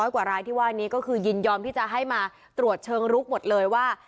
กว่ารายที่ว่านี้ก็คือยินยอมที่จะให้มาตรวจเชิงลุกหมดเลยว่า